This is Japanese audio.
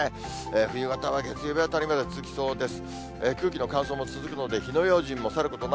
冬型は月曜日あたりまで続きそうです。